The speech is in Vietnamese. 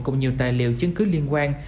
cùng nhiều tài liệu chứng cứ liên quan